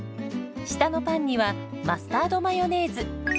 下のパンにはマスタードマヨネーズ。